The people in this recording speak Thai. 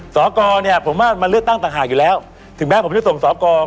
สกเนี่ยผมว่ามันเลือกตั้งต่างหากอยู่แล้วถึงแม้ผมจะส่งสอกร